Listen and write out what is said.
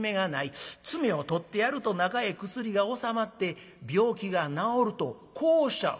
詰めを取ってやると中へ薬が収まって病気が治るとこうおっしゃる」。